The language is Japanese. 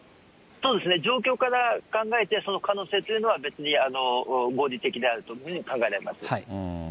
そうですね、状況から考えて、その可能性というのは、別に合理的であるというふうに考えます。